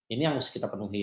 ini yang harus kita penuhi